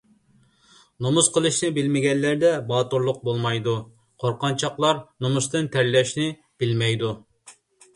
نومۇس قىلىشنى بىلمىگەنلەردە باتۇرلۇق بولمايدۇ. قۇرقۇنچاقلار نومۇستىن تەرلەشنى بىلمەيدۇ.